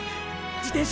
自転車！！